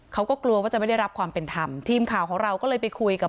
เขาก็กลัวว่าจะไม่ได้รับความเป็นธรรมทีมข่าวของเราก็เลยไปคุยกับ